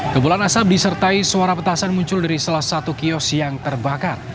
kebulan asap disertai suara petasan muncul dari salah satu kios yang terbakar